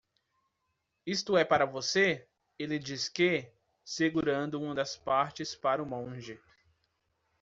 "Isto é para você?" ele disse que? segurando uma das partes para o monge.